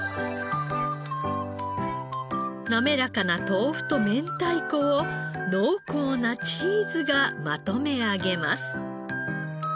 滑らかな豆腐と明太子を濃厚なチーズがまとめ上げます。